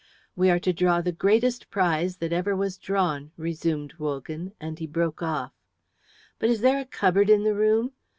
"We are to draw the greatest prize that ever was drawn," resumed Wogan, and he broke off. "But is there a cupboard in the room?